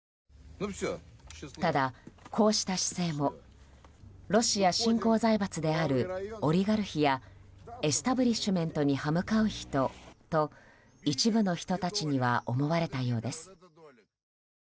ただ、こうした姿勢もロシア新興財閥であるオリガルヒやエスタブリッシュメントに歯向かう人と一部の人たちには思われたようです。